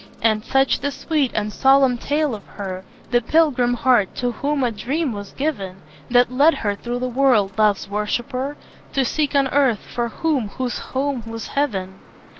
And such the sweet and solemn tale of her The pilgrim heart, to whom a dream was given, That led her through the world, Love's worshipper, To seek on earth for him whose home was heaven!